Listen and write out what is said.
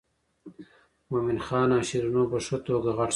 مومن خان او شیرینو په ښه توګه غټ شول.